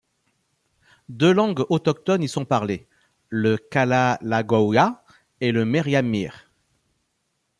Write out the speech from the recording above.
Deux langues autochtones y sont parlées, le kala lagaw ya et le meriam mir.